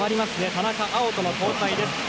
田中碧との交代です。